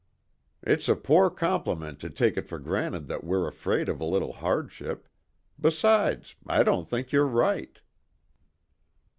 "It's a poor compliment to take it for granted that we're afraid of a little hardship. Besides, I don't think you're right."